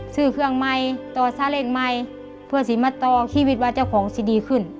ซื้อเครื่องใหม่ต่อซาเล้งใหม่เพื่อสิมาต่อชีวิตว่าเจ้าของสิดีขึ้น